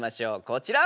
こちら！